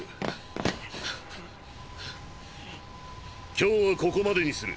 今日はここまでにする。